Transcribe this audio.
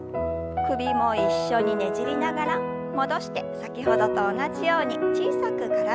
首も一緒にねじりながら戻して先ほどと同じように小さく体をねじります。